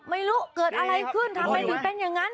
ไม่รู้เกิดอะไรขึ้นทำไมถึงเป็นอย่างนั้น